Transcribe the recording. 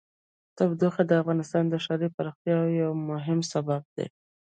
تودوخه د افغانستان د ښاري پراختیا یو مهم سبب دی.